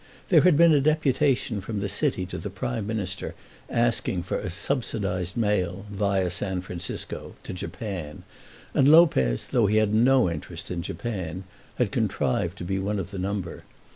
There had been a deputation from the City to the Prime Minister asking for a subsidised mail, via San Francisco, to Japan, and Lopez, though he had no interest in Japan, had contrived to be one of the number.